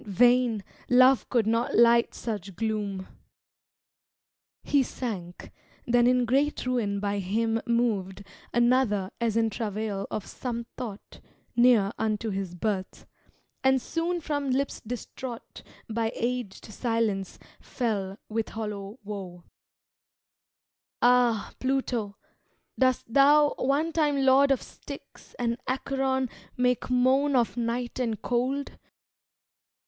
vain! love could not light such gloom." He sank.... Then in great ruin by him moved Another as in travail of some thought Near unto birth; and soon from lips distraught By aged silence, fell, with hollow woe: "Ah, Pluto, dost thou, one time lord of Styx And Acheron make moan of night and cold?